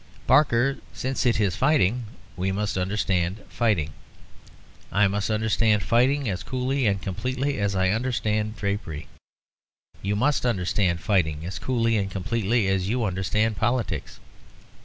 Barker, since it is fighting, we must understand fighting. I must understand fighting as coolly and completely as I understand drapery; you must understand fighting as coolly and completely as you understand politics.